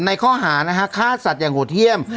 ในข้อหาข้าสัตย์โหดเที่ยม